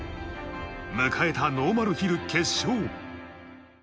迎えたノーマルヒル決勝。